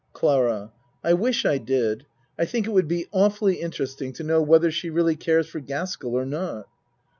CLARA I wish I did. I think it would be aw fully interesting to know whether she really cares for Gaskell or not.